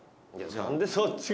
何でそっちが。